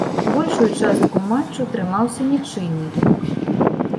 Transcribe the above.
Большую частку матчу трымаўся нічыйны лік.